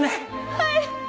はい！